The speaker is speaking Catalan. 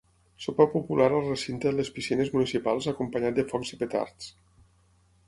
Sopar popular al recinte de les piscines municipals acompanyat de focs i petards.